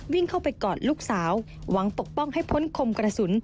วิ่งเข้าไปกอดลูกสาวหวังปกป้องให้พ้นคมกระสุน